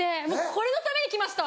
これのために来ました！